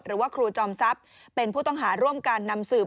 หรือว่าครูจอมทรัพย์เป็นผู้ต้องหาร่วมการนำสืบ